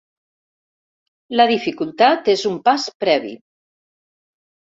La dificultat és un pas previ.